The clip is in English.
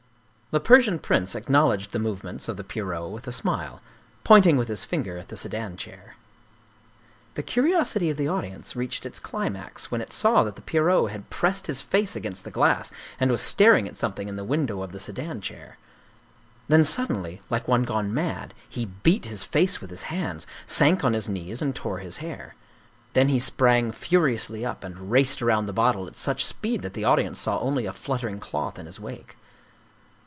The Persian prince acknowledged the movements of the Pierrot with a smile, pointing with his finger at the sedan chair. The curiosity of the audience reached its climax when it saw that the Pierrot had pressed his face against the glass and was staring at something in the window of the sedan 13 German Mystery Stories chair. Then suddenly, like one gone mad, he beat his face with his hands, sank on his knees and tore his hair. Then he sprang furiously up and raced around the bottle at such speed that the audience saw only a fluttering cloth in his wake.